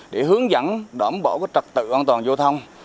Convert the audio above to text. để hướng dẫn đổng bổ các trật tự an toàn vô thông